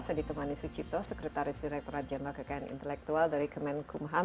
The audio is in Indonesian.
saya dikemani sucipto sekretaris direkturat jemaah kekayaan intelektual dari kemenkhumham